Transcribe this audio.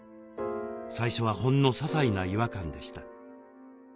最初はほんのささいな違和感でした。